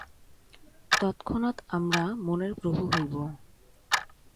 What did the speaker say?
তৎক্ষণাৎ আমরা মনের প্রভু হইব।